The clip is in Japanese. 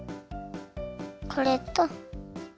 これと。